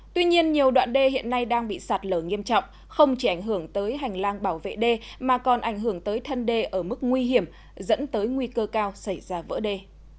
tuy nhiên nhiều đoạn đê hiện nay đang bị sạt lở nghiêm trọng không chỉ ảnh hưởng tới hành lang bảo vệ đê mà còn ảnh hưởng tới thân đê ở mức nguy hiểm dẫn tới nguy cơ cao xảy ra vỡ đê